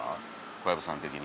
小籔さん的に。